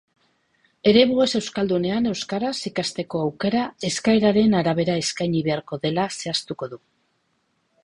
Eremu ez euskaldunean euskaraz ikasteko aukera eskaeraren arabera eskaini beharko dela zehaztuko du.